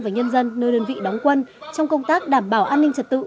và nhân dân nơi đơn vị đóng quân trong công tác đảm bảo an ninh trật tự